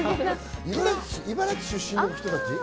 茨城出身の人たち？